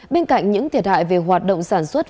bên cạnh những thiệt hại về hoạt động sản xuất